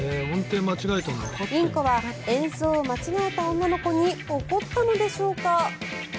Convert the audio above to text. インコは演奏を間違えた女の子に怒ったのでしょうか？